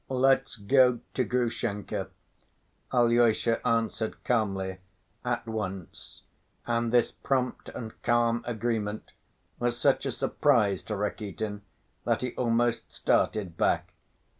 "Let's go to Grushenka," Alyosha answered calmly, at once, and this prompt and calm agreement was such a surprise to Rakitin that he almost started back.